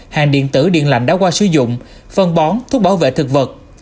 hàng điện tử điện lạnh đã qua sử dụng phân bón thuốc bảo vệ thực vật